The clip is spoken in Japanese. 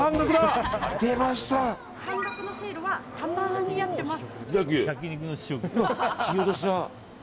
半額のセールはたまにやってます。